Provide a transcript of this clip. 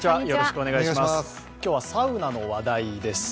今日はサウナの話題です。